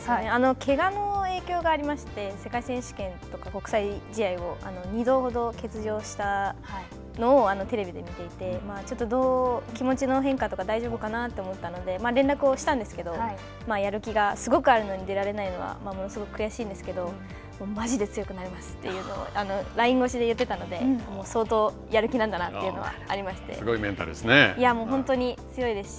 けがの影響がありまして世界選手権とか、国際試合を２度ほど欠場したのをテレビで見ていて、ちょっと気持ちの変化とか大丈夫かなと思ったので連絡をしたんですけど、やる気がすごくあるのに出られないのはものすごく悔しいんですけど、マジで強くなりますというのをＬＩＮＥ越しで言っていたので、相当やる気なんだなというのはあすごいメンタルですね。